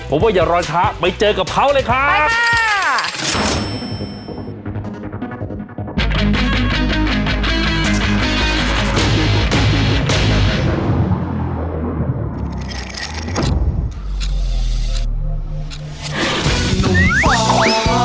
ผมว่าอย่าร้อนท้าไปเจอกับเขาเลยค่ะไปค่ะ